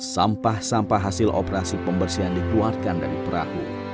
sampah sampah hasil operasi pembersihan dikeluarkan dari perahu